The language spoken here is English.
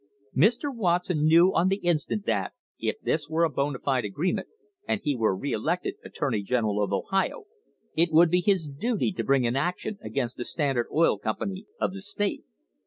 Mr. Watson knew on the instant that, if this were a bona fide agreement and he were re elected attorney general of Ohio, it would be his duty to bring an action against the Standard Oil Company of the state.